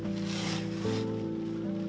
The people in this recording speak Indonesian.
tidak hanya itu